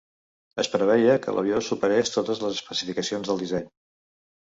Es preveia que l'avió superés totes les especificacions del disseny.